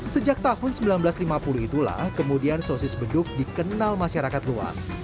sejak tahun seribu sembilan ratus lima puluh itulah kemudian sosis beduk dikenal masyarakat luas